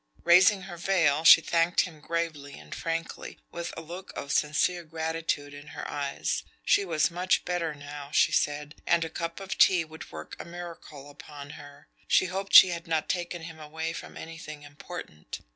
Raising her veil, she thanked him gravely and frankly, with a look of sincere gratitude in her eyes. She was much better now, she said, and a cup of tea would work a miracle upon her. She hoped she had not taken him away from anything important.